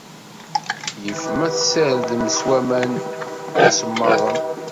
Yif ma tesserdem s waman isemmaḍen.